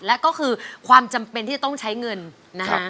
และก็คือความจำเป็นที่จะต้องใช้เงินนะฮะ